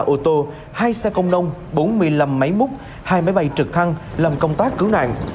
hai mươi ba ô tô hai xe công nông bốn mươi năm máy mút hai máy bay trực thăng làm công tác cứu nạn